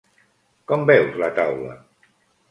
Cóm veus la taula?